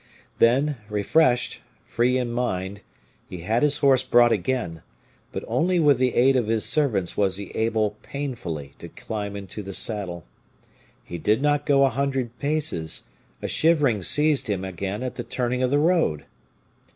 Then, refreshed, free in mind, he had his horse brought again; but only with the aid of his servants was he able painfully to climb into the saddle. He did not go a hundred paces; a shivering seized him again at the turning of the road.